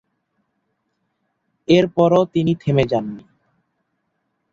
এর পরও তিনি থেমে যাননি।